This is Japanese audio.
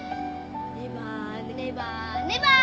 ネバネバネバー！